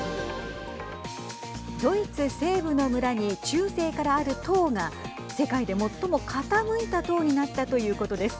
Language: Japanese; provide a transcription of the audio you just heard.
ドイツ西部の村に中世からある塔が世界で最も傾いた塔になったということです。